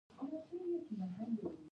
کوډ باید موثر او ګټور وي.